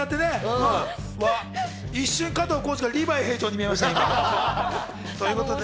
一瞬、加藤浩次がリヴァイ兵長に見えました。